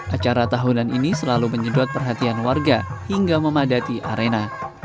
acara tahunan ini selalu menyedot perhatian warga hingga memadati arena